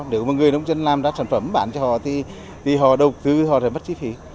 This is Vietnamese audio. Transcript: nếu mà người nông dân làm ra sản phẩm bán cho họ thì họ đầu tư họ sẽ mất chi phí